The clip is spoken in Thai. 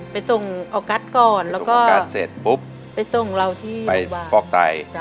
ไปส่งออกัสก่อนแล้วก็ไปส่งเราที่โรงพยาบาล